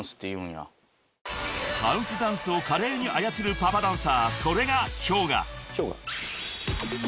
［ハウスダンスを華麗に操るパパダンサーそれが］